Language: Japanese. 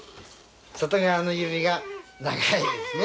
外側の指が長いですね。